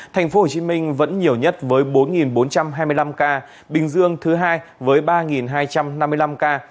thành phố hồ chí minh vẫn nhiều nhất với bốn bốn trăm hai mươi năm ca bình dương thứ hai với ba hai trăm năm mươi năm ca